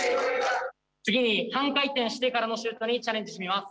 次に半回転してからのシュートにチャレンジしてみます。